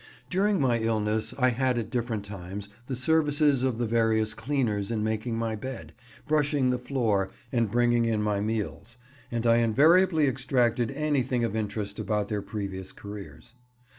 During my illness I had at different times the services of the various cleaners in making my bed, brushing the floor, and bringing in my meals, and I invariably extracted anything of interest about their previous careers.